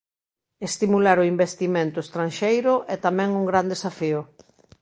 Estimular o investimento estranxeiro é tamén un gran desafío.